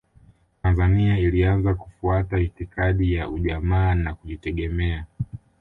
Tanzania ilianza kufuata itikadi ya ujamaa na kujitegemea